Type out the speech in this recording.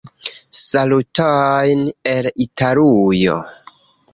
Salutojn el Italujo.